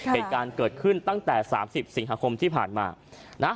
เป็นการเกิดขึ้นตั้งแต่สามสิบสิงหาคมที่ผ่านมานะฮะ